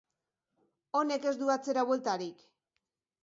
Honek ez du atzerabueltarik.